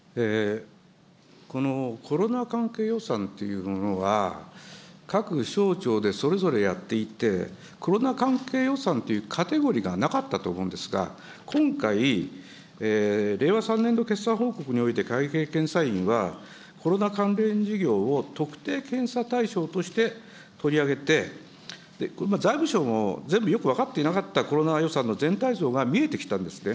このコロナ関係予算というものが、各省庁でそれぞれやっていて、コロナ関係予算というカテゴリーがなかったと思うんですが、今回、令和３年度決算報告において、会計検査院はコロナ関連事業を特定検査対象として取り上げて、財務省も全部よく分かっていなかったコロナ予算の全体像が見えてきたんですね。